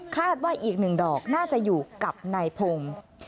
คาดว่าอีกหนึ่งดอกน่าจะอยู่กับในพงษ์